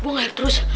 gue ngayak terus